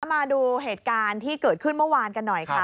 มาดูเหตุการณ์ที่เกิดขึ้นเมื่อวานกันหน่อยค่ะ